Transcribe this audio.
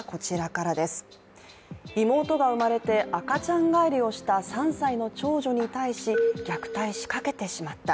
妹が生まれて、赤ちゃん返りをした３歳の長女に対し、虐待しかけてしまった。